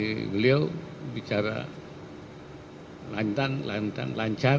jadi beliau bicara lantan lantan lancar